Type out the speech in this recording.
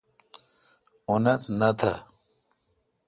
اُنت نہ تہ۔